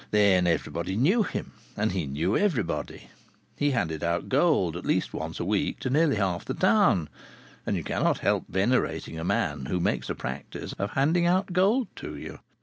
Then everybody knew him, and he knew everybody. He handed out gold at least once a week to nearly half the town, and you cannot help venerating a man who makes a practice of handing out gold to you.